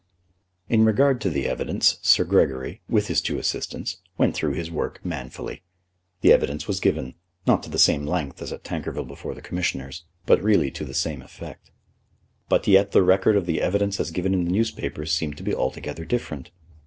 In regard to the evidence Sir Gregory, with his two assistants, went through his work manfully. The evidence was given, not to the same length as at Tankerville before the Commissioners, but really to the same effect. But yet the record of the evidence as given in the newspapers seemed to be altogether different.